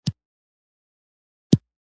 د روم د پاچا استازي له یوه سړي پوښتنه وکړه.